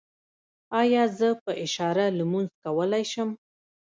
ایا زه په اشاره لمونځ کولی شم؟